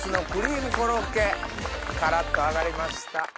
カラっと揚がりました。